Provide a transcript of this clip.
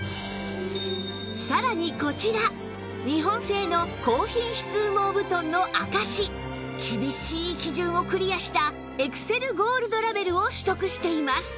さらにこちら日本製の高品質羽毛布団の証し厳しい基準をクリアしたエクセルゴールドラベルを取得しています